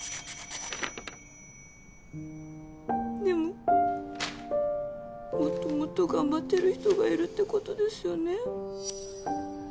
でももっともっと頑張ってる人がいるってことですよね。